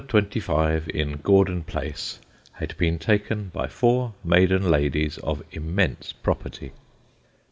25, in Gordon Place, had been taken by four maiden ladies of immense property.